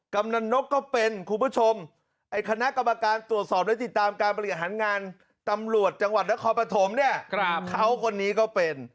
คุณผู้ชมคณะกรรมการตรวจสอบและติดตามการบริหารงานตำรวจจังหวัดและคอปธมเนี่ยเขาคนนี้ก็เป็น